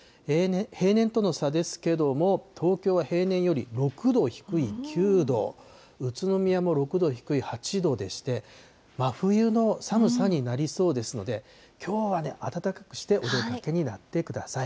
平年との差ですけれども、東京は平年より６度低い９度、宇都宮も６度低い８度でして、真冬の寒さになりそうですので、きょうは暖かくしてお出かけになってください。